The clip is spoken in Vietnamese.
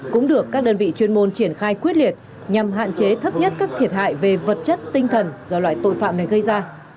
cũng được các đơn vị chuyên môn triển khai quyết liệt nhằm hạn chế thấp nhất các thiệt hại về vật chất tinh thần do loại tội phạm này gây ra